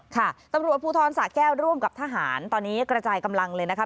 ค่ะตำรวจภูทรสะแก้วร่วมกับทหารตอนนี้กระจายกำลังเลยนะคะ